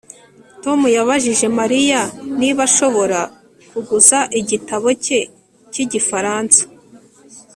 Tom yabajije Mariya niba ashobora kuguza igitabo cye cyigifaransa